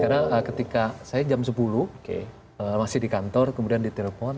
karena ketika saya jam sepuluh masih di kantor kemudian ditelepon